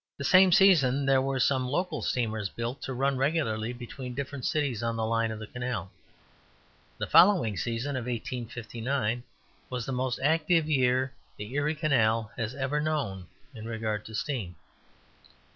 The same season there were some local steamers built to run regularly between different cities on the line of the canal. The following season of 1859 was the most active year the Erie Canal has ever known in regard to steam.